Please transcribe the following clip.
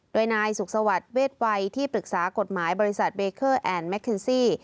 โดยนายสุขสวัสดิ์เวทวัยที่ปรึกษากฎหมายบริษัทเบเคอร์แอนดแมคเคนซี่